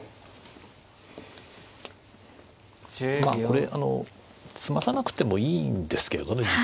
まあこれ詰まさなくてもいいんですけれどね。